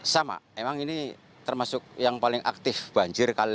sama emang ini termasuk yang paling aktif banjir